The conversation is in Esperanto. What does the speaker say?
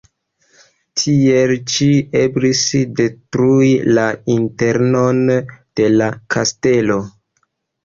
Tiel ĉi eblis detrui la internon de la kastelo.